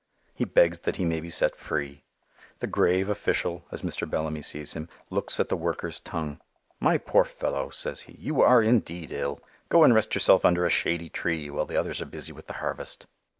He begs that he may be set free. The grave official, as Mr. Bellamy sees him, looks at the worker's tongue. "My poor fellow," says he, "you are indeed ill. Go and rest yourself under a shady tree while the others are busy with the harvest."